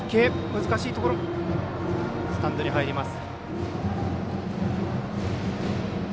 難しいところでしたがスタンドに入ります。